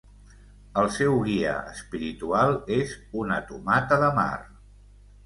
El seu guia espiritual és una tomata de mar.